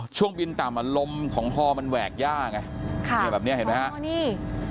ช่วงบินต่ำอ่ะลมของฮอมันแหวกย่าไงค่ะเนี่ยแบบเนี้ยเห็นไหมฮะอ๋อนี่